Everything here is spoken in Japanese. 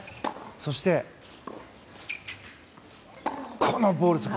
そして、このボレー。